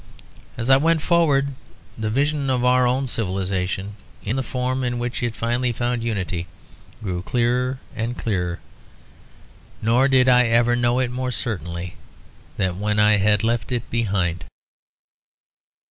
As I went forward the vision of our own civilisation, in the form in which it finally found unity, grew clearer and clearer; nor did I ever know it more certainly than when I had left it behind.